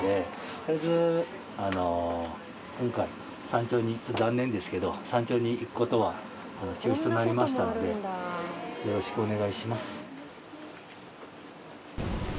とりあえずあの今回山頂に残念ですけど山頂に行く事は中止となりましたのでよろしくお願いします。